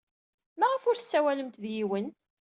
Maɣef ur tessawalemt ed yiwen?